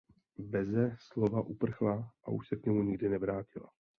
Beze slova uprchla a už se k němu nikdy nevrátila.